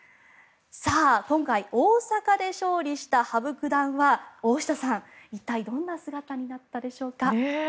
今回、大阪で勝利した羽生九段は大下さん、一体どんな姿になったでしょうか。